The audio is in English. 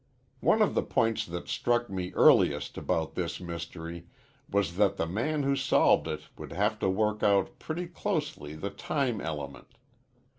"One of the points that struck me earliest about this mystery was that the man who solved it would have to work out pretty closely the time element.